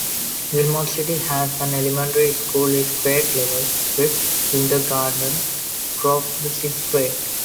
Gilmore City has an elementary school with grade levels prep-kindergarten through the sixth grade.